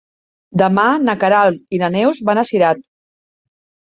Demà na Queralt i na Neus van a Cirat.